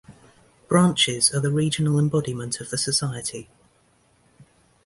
Branches are the regional embodiment of the Society.